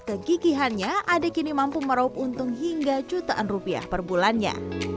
kegigihannya adek ini mampu meraup untung hingga jutaan rupiah perbulannya